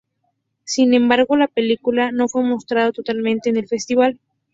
Sin embargo, la película no fue mostrada totalmente en el festival.